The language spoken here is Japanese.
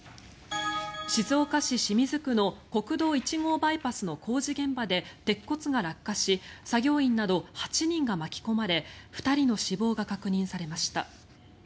静岡市清水区の国道１号バイパスの工事現場で鉄骨が落下し作業員など８人が巻き込まれ２人の死亡が確認されました。